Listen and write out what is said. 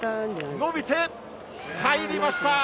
伸びて、入りました。